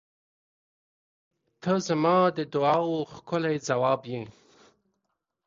ته زما د دعاوو ښکلی ځواب یې.